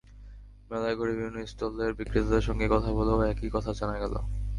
মেলায় ঘুরে বিভিন্ন স্টলের বিক্রেতাদের সঙ্গে কথা বলেও একই কথা জানা গেল।